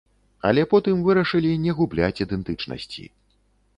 Але потым вырашылі не губляць ідэнтычнасці.